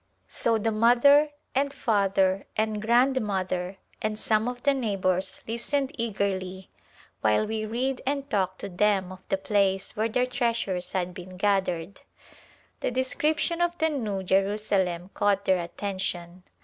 So the mother and father and grandmother and some of the neighbors listened eagerly while we read and talked to them of the place where their treasures had been gathered. The description of the New Jerusalem caught their attention.